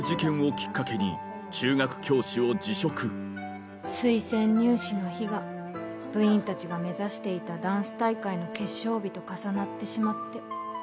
佐倉は推薦入試の日が部員たちが目指していたダンス大会の決勝日と重なってしまって。